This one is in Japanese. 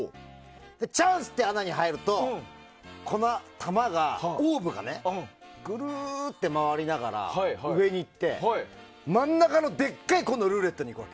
チャンスって穴に入るとオーブがグルーって回りながら上に行って今度、真ん中のでっかいルーレットに行くの。